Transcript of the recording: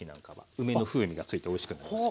梅の風味がついておいしくなりますよ。